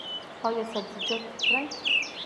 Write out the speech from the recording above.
ایا سبزیجات به خورئ؟